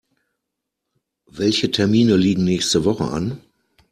Welche Termine liegen nächste Woche an?